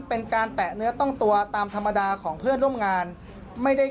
เป็นการแตะเนื้อต้องตัวตามธรรมดาของเพื่อนร่วมงานไม่ได้